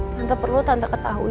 tante perlu tante ketahui